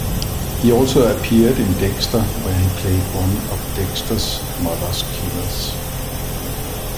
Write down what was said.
He also appeared in "Dexter" where he played one of Dexter's mother's killers.